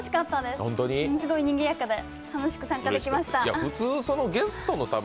すごいにぎやかで楽しく参加できました。